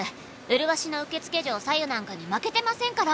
麗しの受付嬢さゆなんかに負けてませんから。